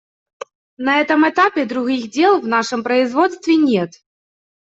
На этом этапе других дел в нашем производстве нет.